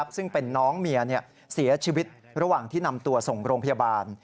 ซึ่งเป็นน้องเมียเสียชีวิตระหว่างที่นำตัวส่งโรงพยาบาล